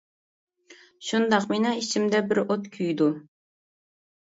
شۇنداق مېنىڭ ئىچىمدە بىر ئوت كۆيىدۇ.